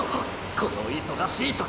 この忙しい時に！！